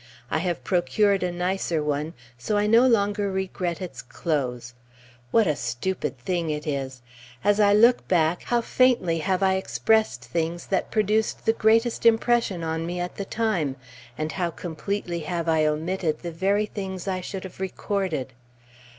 I have procured a nicer one, so I no longer regret its close. What a stupid thing it is! As I look back, how faintly have I expressed things that produced the greatest impression on me at the time, and how completely have I omitted the very things I should have recorded!